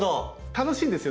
楽しいんですよ